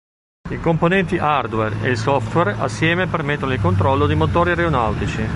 I componenti hardware e il software assieme permettono il controllo di motori aeronautici.